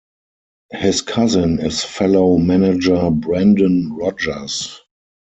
His cousin is fellow manager Brendan Rodgers.